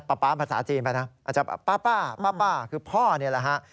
ป๊าป๊าภาษาจีนไปนะอาจจะป๊าป๊าป๊าป๊าคือพ่อนี่แหละฮะ